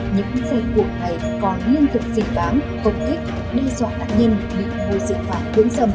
những phe cuộc này còn liên tục dị bán công kích đe dọa đạn nhân bị ngôi dự phạm tướng dầm